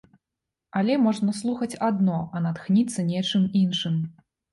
Але можна слухаць адно, а натхніцца нечым іншым.